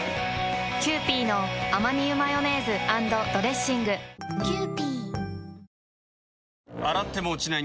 キユーピーのアマニ油マヨネーズ＆ドレッシング洗っても落ちない